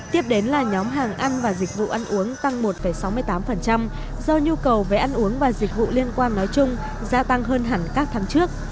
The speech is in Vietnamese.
tiếp đến là nhóm hàng ăn và dịch vụ ăn uống tăng một sáu mươi tám do nhu cầu về ăn uống và dịch vụ liên quan nói chung gia tăng hơn hẳn các tháng trước